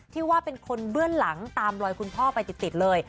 ที่ว่าเป็นคนเบื้องหลังตามรอยคุณพ่อไปติดเลย